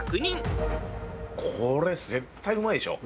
これ絶対うまいでしょ